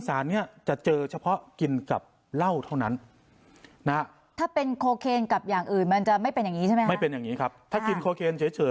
กินเหล้าพร้อมกับโคเคน